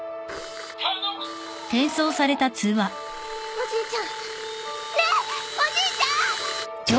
おじいちゃんねえおじいちゃん！